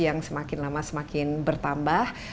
yang semakin lama semakin bertambah